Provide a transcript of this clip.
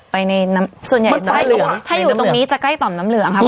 ไปในน้ำส่วนใหญ่ใกล้เรือถ้าอยู่ตรงนี้จะใกล้ต่อมน้ำเหลืองครับ